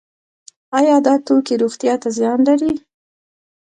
آیا دا توکي روغتیا ته زیان لري؟